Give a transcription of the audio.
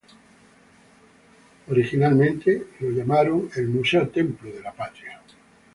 Originalmente fue llamado el "Museo-templo de la patria".